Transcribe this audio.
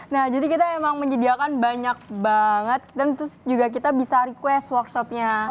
nah jadi kita emang menyediakan banyak banget dan terus juga kita bisa request workshopnya